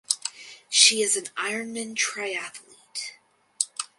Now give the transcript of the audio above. She is an ironman triathlete.